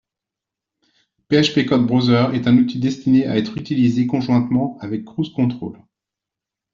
PHP_CodeBrowser est un outil destiné, à être utilisé conjointement avec CruiseControl.